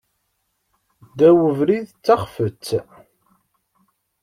Ddaw ubrid, d taxfet.